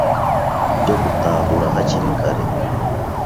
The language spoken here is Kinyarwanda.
byo gutahura hakiri kare